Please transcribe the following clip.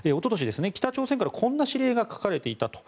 北朝鮮からこんな指令も書かれていたと。